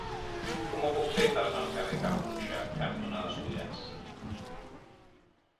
Com ho puc fer per anar al carrer Can Bruixa cantonada Subirats?